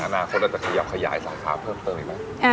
อนาคตเราจะขยับขยายสาขาเพิ่มเติมอีกไหม